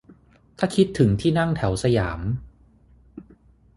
ถ้าคิดถึงที่นั่งแถวสยาม